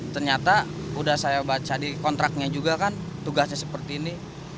ternyata udah saya baca di kontraknya juga kan tugasnya seperti ini